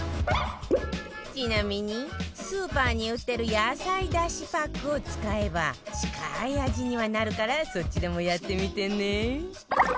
ちなみにスーパーに売ってる野菜出汁パックを使えば近い味にはなるからそっちでもやってみてね